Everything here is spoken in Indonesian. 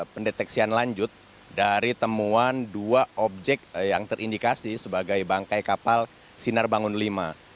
pendeteksian lanjut dari temuan dua objek yang terindikasi sebagai bangkai kapal sinar bangun v